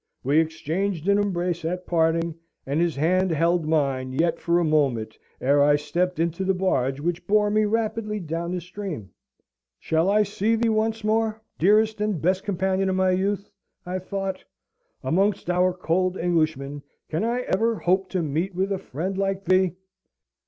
We exchanged an embrace at parting, and his hand held mine yet for a moment ere I stepped into the barge which bore me rapidly down the stream. "Shall I see thee once more, dearest and best companion of my youth?" I thought. "Amongst our cold Englishmen, can I ever hope to meet with a friend like thee?